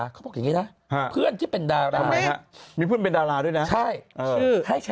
ช่วยเรา